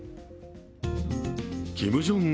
キム・ジョンウン